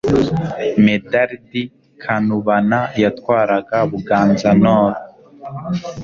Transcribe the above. medardi kanubana yatwaraga buganza-nord